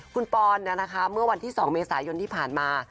คุณปอนเมื่อวันที่๒เมษายนที่ผ่านมา